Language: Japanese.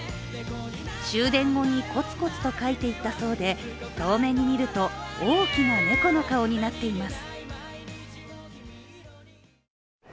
終電後にこつこつと描いていったそうで遠目に見ると大きな猫の顔になっています。